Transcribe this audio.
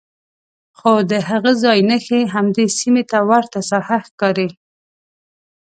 خو د هغه ځای نښې همدې سیمې ته ورته ساحه ښکاري.